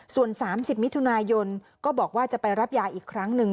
ส่วน๓๐มิถุนายนก็บอกว่าจะไปรับยาอีกครั้งหนึ่ง